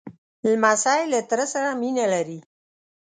لمسی له تره سره مینه لري.